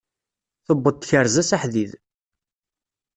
Tuweḍ tkerza s aḥdid.